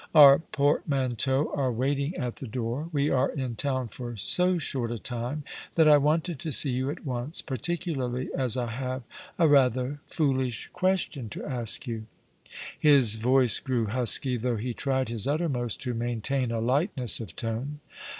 Our portmanteaux are waiting at ^^ My Life conthmes yoiws!^ 191 the door. ~ We are in town for so short a time that I wanted to see yon at once — particularly as I hayc— a rather foolish question to ask you." His voice grew husky, though he tried his uttermost to maintain a lightness of tone.